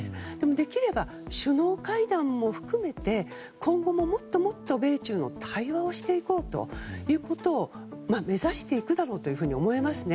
できれば首脳会談も含めて今後ももっともっと米中の対話をしていこうということを目指していくだろうと思えますね。